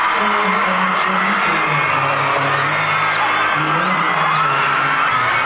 ก็ไม่ต้องฉันกลัวหายไปเดี๋ยวมันจะออกกับฉัน